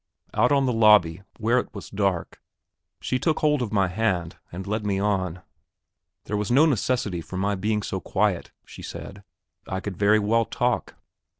Out on the lobby, where it was dark, she took hold of my hand, and led me on. There was no necessity for my being so quiet, she said, I could very well talk.